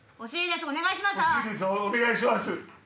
お願いします。